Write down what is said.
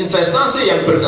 investasi yang berorientasi